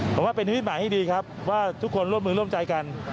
ผมว่าเป็นนิมิตหมายที่ดีครับว่าทุกคนร่วมมือร่วมใจกัน